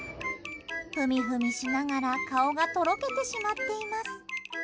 ふみふみしながら顔がとろけてしまっています！